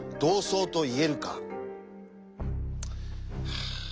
はあ。